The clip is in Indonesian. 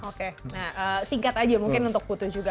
oke singkat aja mungkin untuk putus juga